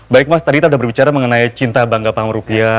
baik mas tadi kita sudah berbicara mengenai cinta bangga panggung rupiah